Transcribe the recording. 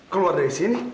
keluar dari sini